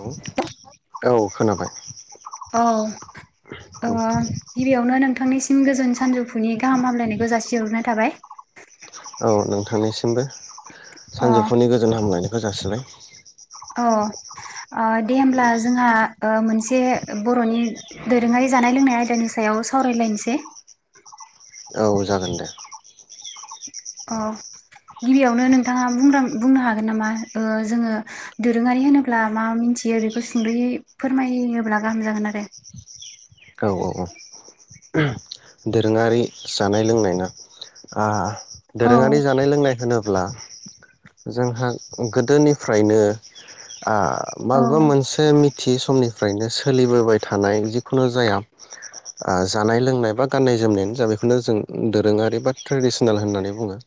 औ औ खोनाबाय अह ओ गिबियावनो नोंथांनिसिम गोजोन सानजौफुनि गाहाम हामलायनायखौ जासिहरनाय थाबाय। औ नोंथांनिसिमबो। अ सानजौफुनि गोजोन हामलायनाय गोजासेलाय। अह। ओ दे होमब्ला जोंहा ओ मोनसे दे बर'नि दोरोङारि जानाय लोंनाय आयदानि सायाव सावरायलायनोसै। औ जागोन दे। अह गिबियावनो नोंथाङा बुंदों बुंनो हागोन नामा ओ जोङो दोरोङारि होनोब्ला मा मिथियो बेखौ सुंदयै फोरमायोयोब्ला गाहाम जागोन आरो। औ औ औ दोरोङारि जानाय लोंनायना आ औ दोरोङारि जानाय लोंनाय होनो ब्ला जोंहा गोदोनिफ्रायनो आ औ माबेबा मोनसे मि थि समनिफ्रायनो सोलिबोबाय थानाय जिखुनु जाया आ जानाय लोंनाय बा गाननाय जोमनायानो जा बेखौनो जों दोरोङारि बा ट्रेडिसनेल होननानै बुङो।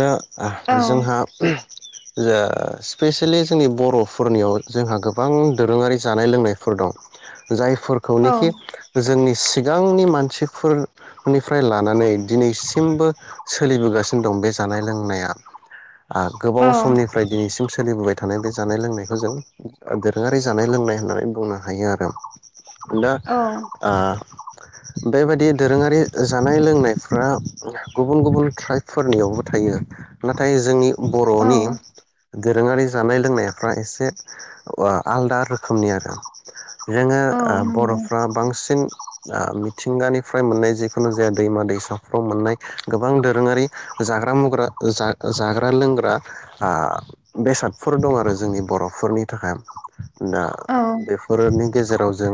दा ओ औ जोंहा ओ स्पेसियेलि जोंनि बरफोरनियाव जोंहा गोबां दोरोङारि जानाय लोंनायफोर दं। औ जायफोरखौनोखि जोंनि गांनि मानसिफोरनिफ्राय लानानै दिनैसिमबो सोलिबोगासिनो दं बे जानाय लोंनाया। आ गोबाव औ समनिफ्राय दिनैसि जों सोलिबोबाय थानाय बे जानाय लोंनायखौ जों दोरोङारि जानाय लोंनाय होननानै बुंनो हायो आरो। दा औ आ बेबायदि दोरोङारि जानाय लोंनायफ्रा गुबुन गुबुन ट्राइबफोरनियावबो थायो नाथाय जोंनि बर'नि औ दोरोङारि जानाय लोंनायफ्रा एसे अ आलदा रोखोमनि आरो। जोङो औ ओ नंगौ बर'फ्रा बांसिन दा मिथिंगानिफ्राय मोननाय जिखुनु जाया दैमा दैसाफ्राव मोननाय गोबां दोरोङारि जाग्रा मुग्रा जा जाग्रा लोंग्रा आ बेसादफोर दं आरो जोंनि बरफोरनि थाखाय। दा औ बेफोरनि गेजेराव जों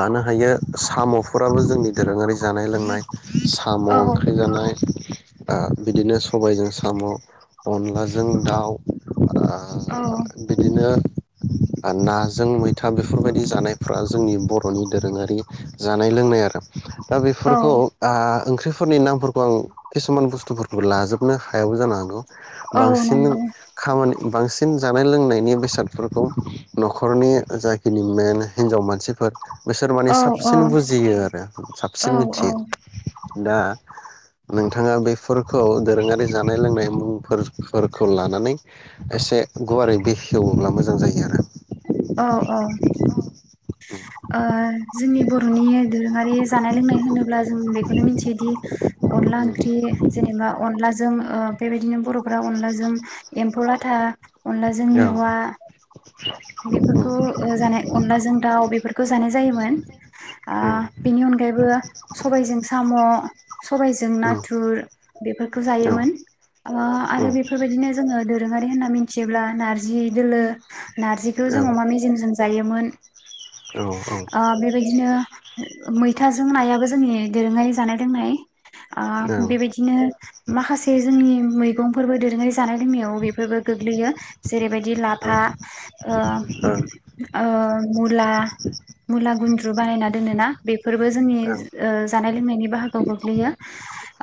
लानो हायो। साम'फोराबो जोंनि दोरोङारि जानाय लोंनाय। साम' औ ओंख्रि जानाय। आ बिदिनो सबायजों साम' अनलाजों दाउ। आ औ बिदिनो नाजों मैथा बेफोरबादि जानायफ्रा जोंनि बर'नि दोरोङारि। जानाय लोंनाय आरो। दा औ बेफोरखौ आ ओंख्रिफोरनि नामफोरखौ आं किसुमान बुस्थुफोरखौ लाजोबनो हायाबो जानो हागौ। औ बांसिन नंगौ खामानि बांसिन जानाय लोंनायनि बेसादफोरखौ नख'रनि जाखिनि मेन हिनजाव मानसिफोर। बिसोर औ माने सा सिन औ बुजियो आरो साबसिन मिथियो। औ दा नोंथाङा बेफोरखौ दोरोङारि जानाय लोंनाय मुंफोरखौ लानानै एसे गुवारै बेखेवोब्ला मोजां जायो आरो। औ औ ओ जोंनि बर'नि दोरोङारि जानाय लोंनाय होनोब्ला जों बेखौनो मिथियोदि अनला ओंख्रि जेनेबा अनलाजों ओ बेबायदिनो बर'फ्रा अनलाजों एम्फौ लाथा। अनलाजों आरो औ मेवा। बेफोरखौ ओ जानाय अनलाजों दाउ बेफोरखौ जानाय जायोमोन ओ बेनि अनगायैबो सबायजों साम' सबायजों नाथुर बेफोरखौ जायोमोन ओ आरो बेफोरबायदिनो जोङो दोरोङारि होननानै मिथियोब्ला नारजि दोलो । नारजिखौ जों अमा मेजेमजों जायो। मोन। ओ बेबायदिनो मैथाजों नायाबो जोंनि दोरोङारि जानाय लोंनाय। आ बेबायदिनो माखासे जोंनि मैगं फोरबोे दोरोङारि जानाय लोंनायाव बेफोरबो गोग्लैयो जेरैबायदि लाफा ओ ओ ओ मुला-मुला गुन्द्रु बानायना दोनोना बेफोरबो जोंनि ओ जानाय लोंनायनि बाहागोआव गोग्लैयो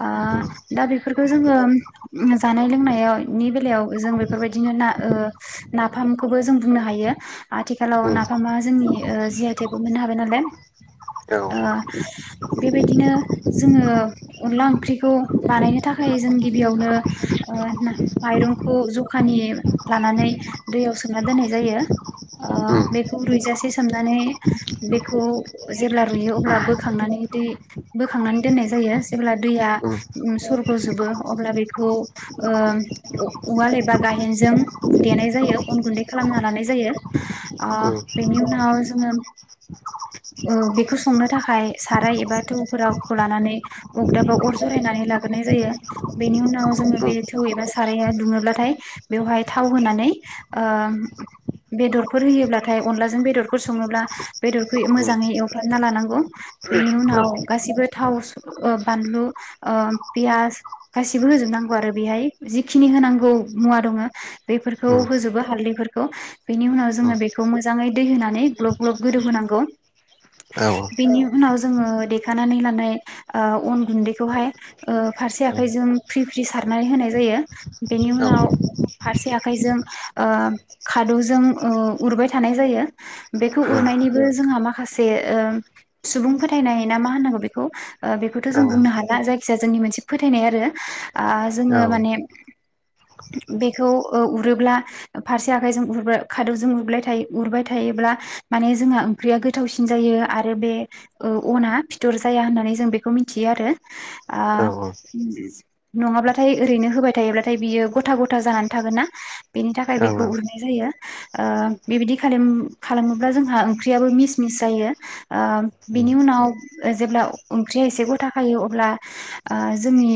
ओ दा बेफोरखौ जोङो जानाय लोंनायनि बेलायाव जों बेफोरबायदिनो ना ओ नाफाम खौबो जों बुंनो हायो आथिखालाव नाफामा जोंनि ओ जि आइ टेकबो मोननो हाबाय नालाय ओ बेबायदिनो जोङो अनला ओंख्रि [unintelligible] बानायनो थाखाय जों गिबियावनो ओ माइरंखौ जखानि लानानै दैयाव सो सोमना दोननाय जायो ओ बेखौ रुइजासे सोमनानै बेखौ जेब्ला रुइयो अब्ला बोखांनानै दै बोखांनानै दोननाय जायो जेब्ला दैया सरगजोबो अब्ला बेखौ ओ उ-उवाल एबा गायहेनजों देनाय जायो अन गुन्दै खालामना लानाय जायो ओ बेनि उनाव जोङो ओ बेखौ संनो थाखाय साराय एबा थौफोरावखौ लानानै अगदाबा अर जरायनानै लाग्रोनाय जायो बेनि उनाव जोङो बे थौ एबा साराया दुङोब्लाथाय बेवहाय थाव होनानै ओ बेदरफोर होयोब्लाथाय अनलाजों बेदरफोर सङोब्ला बेदरखौ मोजाङै एवफ्रामना लानांगौ बेनि उनाव गासिबो थाव ओ बानलु पियास गासिबो होजोबनांगौ आरो बेहाय जिखिनि होनांगौ मुवा दङो बेफोरखौ होजोबो। हालदैफोरखौ बेनि उनाव जोङो बेखौ मोजाङै दै होनानै ग्लब ग्लब गोदौ होनांगौ बेनि उनाव जोङो देखानानै लानाय ओ अन गुन्दैखौहाय ओ फारसे आखाइजों फ्रि फ्रि सारनानै होनाय जायो बेनि उनाव फारसे आखाइजों ओ खादौजों ओ उरबाय थानाय जायो बेखौ उरनायनिबो जोंहा माखासे ओ सुबुं फोथायनाय ना मा होननांगौ बेखौ ओ बेखौथ जों बुंनो हाला जायखिया जोंनि मोनसे फोथायनाय आरो ओ जोङो माने बेखौ उरोब्ला फारसे आखाइजों उर खादौजों उरबाय थायो उरबाय थायोब्ला माने जोंहा ओंख्रिया गोथावसिन जायो आरो बे ओ अना फिथर जाया होननानै जों बेखौ मिथियो आरो ओ नङाब्लाथाय ओरैनो होबाय थायोब्लाथाय बियो गथा गथा जानानै थागोन ना बेनि थाखाय थाखाय बेखौ उरनाय जायो ओ बेबायदि खालाम-खालामोब्ला जोंहा ओंख्रियाबो मिस-मिस जायो ओ बिनि उनाव जेब्ला ओंख्रिया एसे गथ खायो अब्ला ओ जोंनि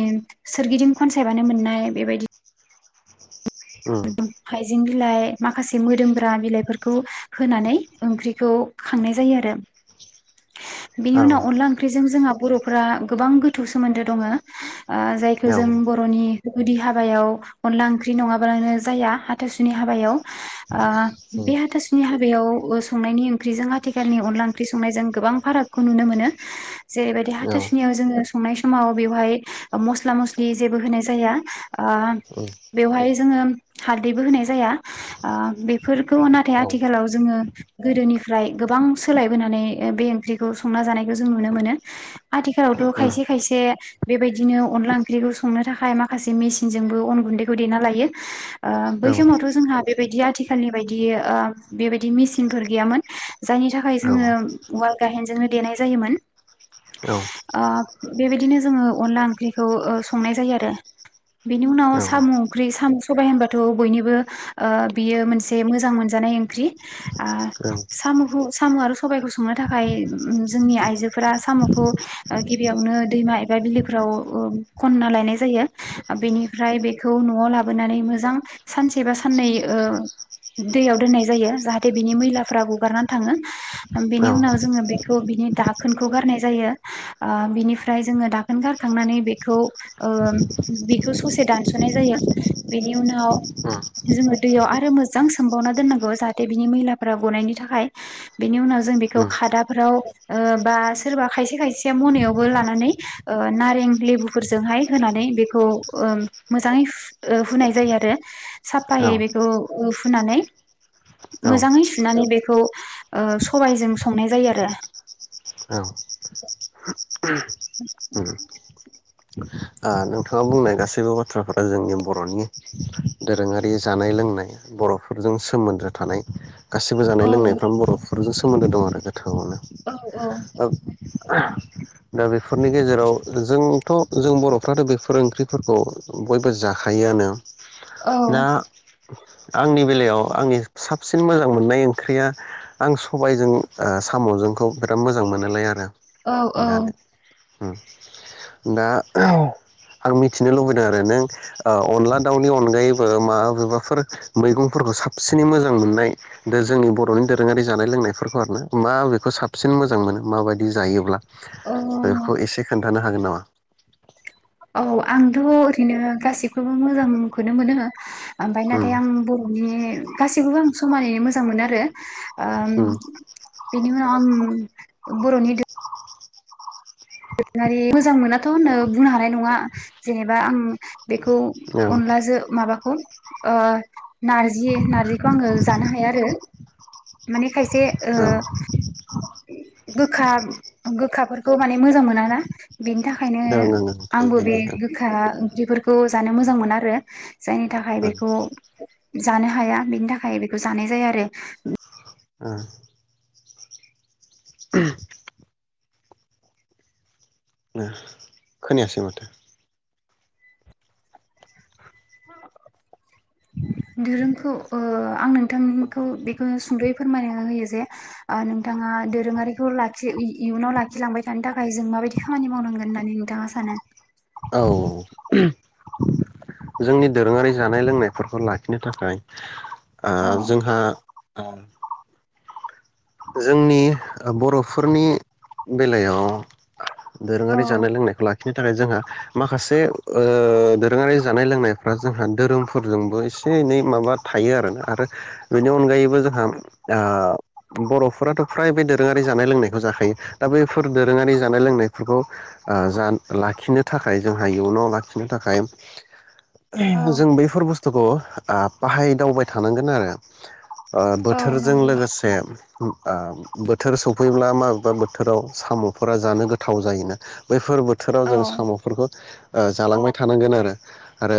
सोरगिदिं खनसायबानो मोननाय बेबायदि हाइजें बिलाइ माखासे मोदोमग्रा बिलाइफोरखौ होनानै ओंख्रिखौ खांनाय जायो आरो बेनि उनाव अनला ओंख्रिजों जोंहा बर'फोरा गोबां गोथौ सोमोन्दो दङ ओ जायखौ जों बरनि गुदि हाबायाव अनला ओंख्रि नङा बानो जाया हाथासुनि हाबायाव ओ बे हाथासुनि हाबायाव संनायनि ओंख्रिजों आथिखालनि अनला ओंख्रि संनायजों गोबां फारागखौ नुनो मोनो जेरैबायदि हाथासुनियाव जोङो संनाय समाव बेवहाय मस्ला मस्लि जेबो होनाय जाया ओ बेवहाय जोङो हालदैबो होनाय जाया ओ बेफोरखौ नाथाय आथिखालाव जोङो गोदोनिफ्राय गोबां सोलायबोनानै बे ओंख्रिखौ संना जानायखौ जों नुनो मोनो आथिखालावथ खायसे खायसे बेबायदिनो अनला ओंख्रिखौ संनो थाखाय माखासे मेसिनजोंबो अन गुन्दैखौ देना लायो ओ बै समावथ' जोंहा बेबायदि आथिखालनि बायदि ओ बेबायदि मेचिनफोर गैयामोन जायनि थाखाय जोङो उवाल गाहेनजोंनो देनाय जायोमोन ओ बेबायदिनो जोङो अनला ओ ओंख्रिखौ संनाय जायो आरो बेनि उनाव साम ओंख्रि साम सबाय होनबाथ बयनिबो ओ बियो मोनसे मोजां मोनजानाय ओंख्रि ओ सामखौ साम आरो सबायाइखौ संनो थाखाय जोंनि आइजोफोरा सामखौ गिबियावनो दैमा एबा बिलोफोराव खनना लायनाय जायो बेनिफ्राय बेखौ न'आव ला बोनानै मोजां सानसे बा साननै दैयाव दोननाय जायो जाहाथे बिनि मैलाफ्रा गगारना थाङो बेनि उनाव जोङो बेखौ बिनि दाखोनखौ गारनाय जायो बिनिफ्राय जोङो दाखोन गारखांनानै बेखौ बेखौ ससे दानसनाय जायो बेनि उनाव जोङो दैयाव आरो मोजां सोमबावना दोननांगौ जाहाथे बिनि मैलाफोरा गनायनि थाखाय बेनि उनाव जों बेखौ खादाफोराव ओ बा सोरबा खायसे-खायसेया मनायावबो लानानै नारें लेबुफोरजोंहाय होनानै बेखौ ओ मोजाङै हु ओ हुनाय जायो आरो साफायै बेखौ हुनानै मोजाङै सुनानै बेखौ सबायजों संनाय जायो आरो [inaudible] ओ नोंथाङा बुंनाय गासैबो बाथ्राफोरा जोंनि बर'नि दोरोङारि जानाय लोंनाय बर'फोरजों सोमोन्दो थानाय गासिबो औ जानाय लोंनायफ्रावनो बर' फोरजों सोमोनदो दं आरो गोथौनो औ दा बेफोरनि गेजेराव जोंथ जों बर'फ्राथ बेफोर ओंख्रिफोरखौ बयबो जाखायोआनो दा औ आंनि बेलायाव आंनि साबसिन मोजां मोननाय ओंख्रिया आं सबायजों ओ सामजोंखौ बिराद मोजां मोनोलाय आरो औ-औ ओम दा आं मिथिनो लुबैदों आरो नों अनला दाउनि अनगायैबो माबेबाफोर मैगंफोरखौ साबसिनै मोजां मोननाय दा जोंनि बर'नि दोरोङारि जानाय लोंनायफोरखौ आरो ना माबेेखौ साबसिन मोजां मोनो माबायदि जायोब्ला औ बेखौ एसे खोन्थानो हागोन नामा औ आंथ ओरैनो गासिखौबो मोजांखौनो मोनो ओमफ्राय उम नाथाय आं बर'नि गासैखौबो आं समानैनो मोजां मोनो आरो ओम उम बेनि उनाव आं बर'नि दो दोरोङारि मोजां मोनाथ होनो बुंनो हानाय नङा जेनेबा आं बेखौ ओं अनलाजों माबा अ नारजि-नारजिखौ आङो जानो हाया आरो माने खायसे ओ ओं गोखा-गोखाफोरखौ माने मोजां मोन ना बिनि थाखायनो ओं ओं ओं आंबो थायो बे दे ओं गोखा ओंख्रिफोरखौ जानो मोजां मोना आरो जायनि थाखाय ओं बेखौ जानो हाया बेनि थाखाय बेखौ जानाय जाया आरो ओं ओं खोनायासै माथो दोरोंखौ ओ आं नोंथांखौ बेखौ सुंदयै फोरमायना होयो जे नोंथाङा दोरोङारिखौ लाखि इयुनाव लाखिलांबाय थानो थाखाय जों माबायदि खामानि मावनांगोन होननानै नोंथाङा सानो औ जोंनि दोरोङारि जानाय लोंनायफोरखौ लाखिनो थाखाय [unintelligible] ओ औ जोंहा ओ जोंनि बरफोरनि बेलायाव औ दोरोङारि जानाय लोंनायखौ लाखि। बेनि थाखाय जोंहा माखासे ओ दोरोङारि जानाय लोंनायफ्रा जोंहा धोरोमफोरजोंबो एसे एनै माबा थायो आरोना आरो बेनि अनगायैबो जोंहा ओ बरफोराथ फ्राय बे दोरोङारि जानाय लोंनायखौ जाखायो दा बैफोर दोरोङारि जानाय लोंनायफोरखौ जा लाखिनो थाखाय जोंहा इयुनाव लाखिनो थाखाय। औ जों बैफोर बुस्थुखौ बाहायदावबाय थानांगोन आरो। ओ औ बोथोरजों नंगौ लोगोसे ओ आ बोथोर सफैब्ला माबेबा बोथोराव सामफोरा जानो गोथाव जायोना बै बेफोर बोथोराव औ जों सामफोरखौ। ओ जालांबाय थानांगोन आरो आरो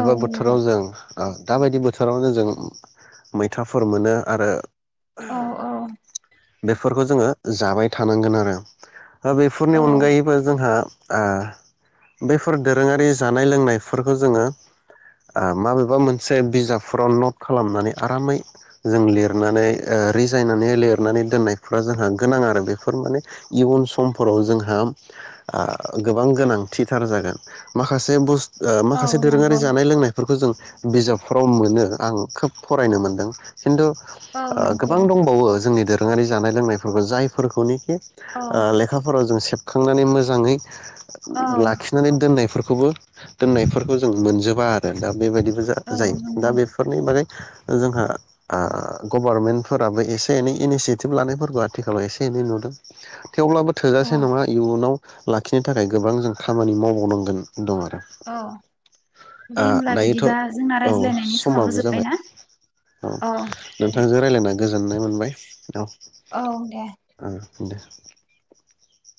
औ नंगौ बोथोराव जों ओ दाबायदि बोथोरावनो जों मैथाफोर मोनो आरो औ औ बेफोरखौ जोङो जाबाय थानांगोन आरो दा बेफोरनि औ अनगायैबो जोंहा। ओ बैफोर दोरोङारि जानाय लोंनायफोरखौ जोङो ओ माबेबा मोनसे बिजाबफोराव नट खालामनानै आरामै जों लिरनानै रि। जायनानै लिरनानै दोननायफ्रा जोंहा गोनां आरो बेफोर माने इयुन समफोराव जोंहा आ गोबां गोनांथिथार जागोन माखासे बुु माखासे औ दोरोङारि नंगौ जानाय लोंनायफोरखौ जों। बिजाबफ्राव मोनो आं खोब फरायनो मोनदों। खिन्थु औ ओ नंगौ गोबांं दबावो जोंनि दोरोंआरि। दोरोङारि जानाय लोंनायफोरखौ जायफोरखौ औ लेखाफोराव जों सेेबखांनानै मोजाङै औ लाखिनानै दोननायफोर खौबो, दोन्नायफोरखौ जों मोनजोबा आरो दा बेबादि औ जा-जायो दा नंगौ बेफोरनि माने जोंहा ओ गभारमेन्ट- फोराबो एसे एनै इनिसियेटिभ लानायफोरखौ आथिखालाव एसे एनै नुदों थेवब्लाबो अ थोजासे नङा। इयुनाव लाखिनो थाखाय गोबां जों खामानि मावबावनांगोन दं आरो। औ ओ दे होमब्ला दायोथ' बिदिबा जोंना औ रायज्लायनायनि समाबो जोब्बाय जाबाय। ना औ दे नोंथांजों रायलायनानै गोजोननाय मोनबाय औ औ दे ओ दे।